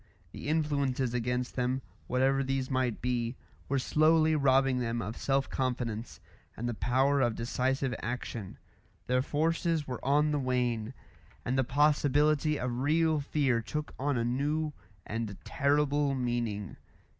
The influences against them, whatever these might be, were slowly robbing them of self confidence, and the power of decisive action; their forces were on the wane, and the possibility of real fear took on a new and terrible meaning.